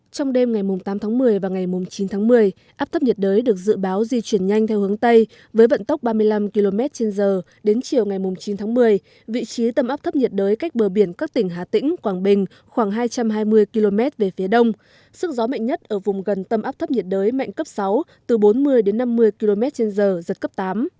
trong đêm ngày tám tháng một mươi và ngày chín tháng một mươi áp thấp nhiệt đới được dự báo di chuyển nhanh theo hướng tây với vận tốc ba mươi năm km trên giờ đến chiều ngày chín tháng một mươi vị trí tâm áp thấp nhiệt đới cách bờ biển các tỉnh hà tĩnh quảng bình khoảng hai trăm hai mươi km về phía đông sức gió mạnh nhất ở vùng gần tâm áp thấp nhiệt đới mạnh cấp sáu từ bốn mươi đến năm mươi km trên giờ giật cấp tám